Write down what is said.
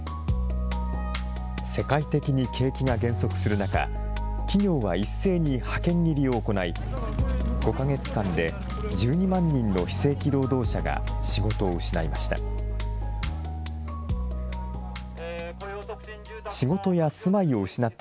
世界的に景気が減速する中、企業は一斉に派遣切りを行い、５か月間で１２万人の非正規労働者が仕事を失いました。